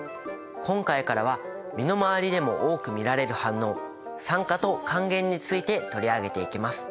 今回からは身の回りでも多く見られる反応酸化と還元について取り上げていきます。